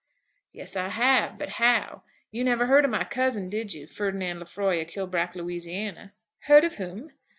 "Yes, I have; but how? You never heard of my cousin, did you; Ferdinand Lefroy of Kilbrack, Louisiana?" "Heard of whom?"